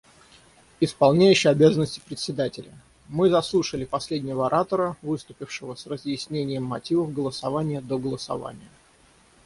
Исполняющий обязанности Председателя: Мы заслушали последнего оратора, выступившего с разъяснением мотивов голосования до голосования.